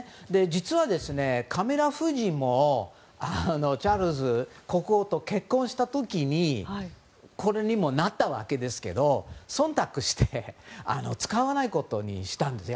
実は、カミラ夫人もチャールズ国王と結婚した時にこれにもなったわけですけど忖度して使わないことにしたんです。